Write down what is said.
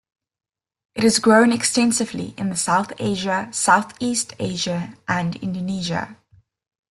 It is grown extensively in the South Asia, Southeast Asia, and Indonesia.